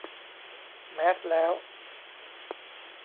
แมสแล้ว